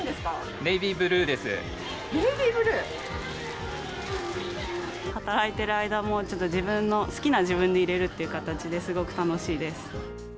ネイビーブルー？働いてる間も、好きな自分でいれるっていう形で、すごく楽しいです。